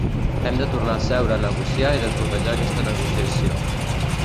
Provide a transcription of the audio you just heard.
Hem de tornar a seure a negociar i desbloquejar aquesta negociació.